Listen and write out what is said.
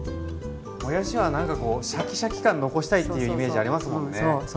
もやしはなんかこうシャキシャキ感残したいっていうイメージありますもんね。